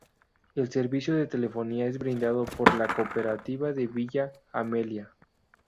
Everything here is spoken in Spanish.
El servicio de telefonía es brindado por la Cooperativa de Villa Amelia.